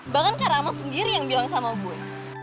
bahkan kak ramad sendiri yang bilang sama gue